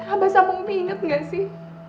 abah sama umi inget gak sih